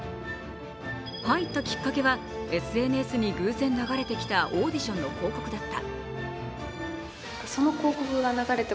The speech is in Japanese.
入ったきっかけはＳＮＳに偶然流れてきたオーディションの広告だった。